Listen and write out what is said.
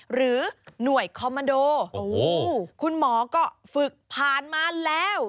หรือหน่วยคอมมันโดคุณหมอก็ฝึกผ่านมาแล้ว